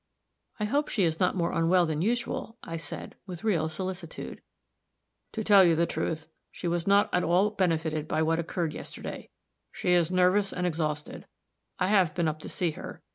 "I hope she is not more unwell than usual," I said, with real solicitude. "To tell you the truth, she was not at all benefited by what occurred yesterday. She is nervous and exhausted; I have been up to see her.